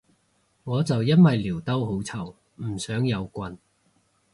我就因為尿兜好臭唔想有棍